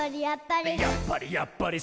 「やっぱり！